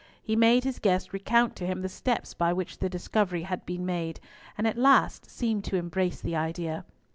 He made his guest recount to him the steps by which the discovery had been made, and at last seemed to embrace the idea.